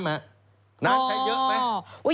น้ำใช้เยอะไหม